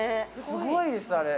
すごいですあれ